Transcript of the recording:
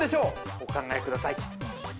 お考えください。